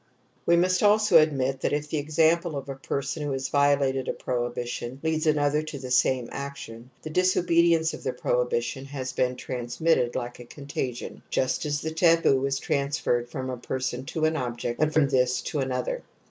We must also admit that if the example of a person who has violated a prohibition leads another to the same action, the disobedience of the prohibition has been transmitted like a contagion, just as the taboo is transferred from a person to an object, and from this to another.